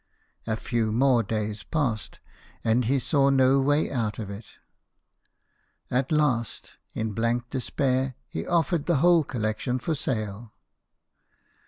A few more days passed, and he saw no way out of it. At last, in blank despair, he offered the whole collection for sale.